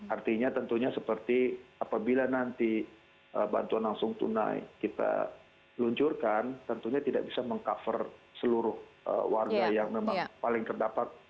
artinya tentunya seperti apabila nanti bantuan langsung tunai kita luncurkan tentunya tidak bisa meng cover seluruh warga yang memang paling terdampak